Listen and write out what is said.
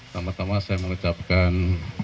pertama tama saya mengucapkan